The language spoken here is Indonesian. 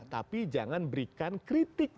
tapi jangan berikan kritik